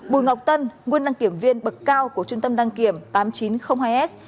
bùi ngọc tân nguyên đăng kiểm viên bậc cao của trung tâm đăng kiểm tám nghìn chín trăm linh hai s